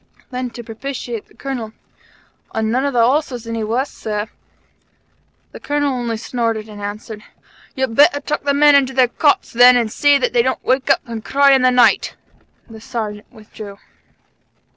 Then, to propitiate the Colonel: "An' none of the horses any the worse, Sir." The Colonel only snorted and answered: "You'd better tuck the men into their cots, then, and see that they don't wake up and cry in the night." The Sergeant withdrew.